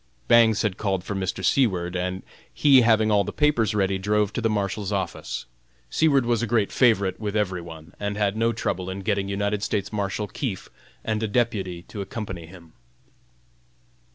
Bangs had called for Mr. Seward, and he having all the papers ready, drove to the Marshal's office. Seward was a great favorite with every one, and had no trouble in getting United States Marshal Keefe and a deputy to accompany him.